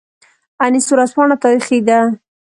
انیس ورځپاڼه تاریخي ده